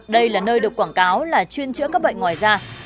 đây là nơi được quảng cáo là chuyên chữa các bệnh ngoài da